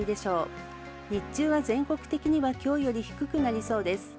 日中は全国的には今日より低くなりそうです。